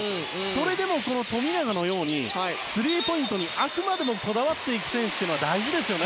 それでも富永のようにスリーポイントにあくまでもこだわっていく選手というのは大事ですね。